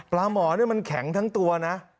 หมอนี่มันแข็งทั้งตัวนะ